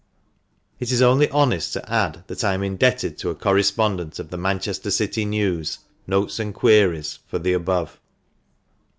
It is only honest to add that I am indebted to a correspondent of the Manchester City News "Notes and Queries" for the above.